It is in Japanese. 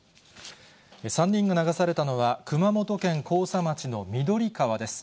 ３人が流されたのは、熊本県甲佐町の緑川です。